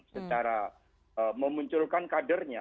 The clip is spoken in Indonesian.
secara memunculkan kadernya